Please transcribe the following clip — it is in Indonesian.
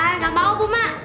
eh gak mau bunga